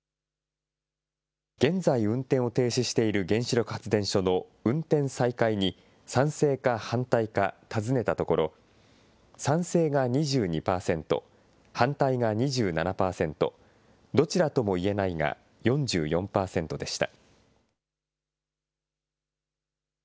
現在運転を停止している原子力発電所の運転再開に、賛成か反対か尋ねたところ、賛成が２２％、反対が２７％、どちらともいえないが４４％でした。